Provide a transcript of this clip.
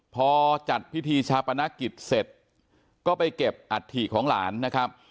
พอจัดพิธีชาปนกิจเสร็จก็ไปเก็บอัฐิของหลานนะครับ